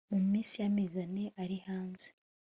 muminsi yamezi ane ari hanze